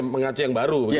mengacu yang baru